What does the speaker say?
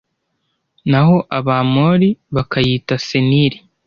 naho Abamori bakayita Seniri